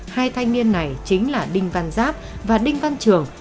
hai thanh niên này chính là đinh văn giáp và đinh văn trường